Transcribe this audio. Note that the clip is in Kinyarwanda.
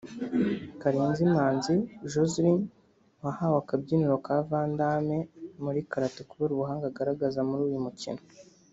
Karenzi Manzi Joslyn wahawe akabyiniriro ka Vandamme muri Karate kubera ubuhanga agaragaza muri uyu mukino